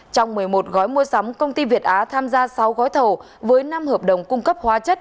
trong một mươi một gói mua sắm công ty việt á tham gia sáu gói thầu với năm hợp đồng cung cấp hóa chất